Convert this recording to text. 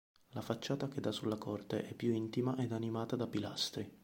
La facciata che dà sulla corte è più intima ed animata da pilastri.